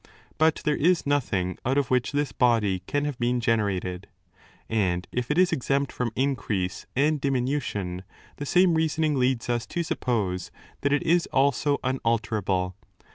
2_ But there is nothing out of which this body can have been generated.* And if it is exempt from increase and diminution,* the same reasoning leads us to suppose that it is also unalterable.